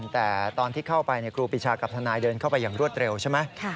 แต่ตอนที่เข้าไปครูปีชากับทนายเดินเข้าไปอย่างรวดเร็วใช่ไหม